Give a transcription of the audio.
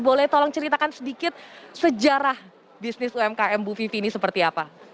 boleh tolong ceritakan sedikit sejarah bisnis umkm bu vivi ini seperti apa